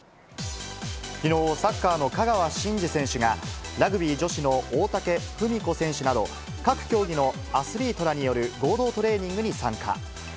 きのう、サッカーの香川真司選手が、ラグビー女子の大竹風美子選手など、各競技のアスリートらによる合同トレーニングに参加。